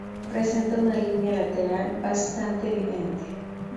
Presenta una línea lateral bastante evidente.